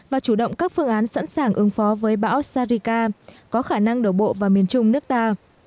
và chủ động các phương án sẵn sàng ứng phó với bão sarika có khả năng đổ bộ vào miền trung nước ta